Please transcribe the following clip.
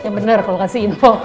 ya bener kalo kasih info